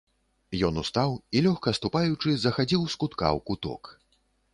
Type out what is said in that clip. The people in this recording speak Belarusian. Ён устаў і, лёгка ступаючы, захадзіў з кутка ў куток.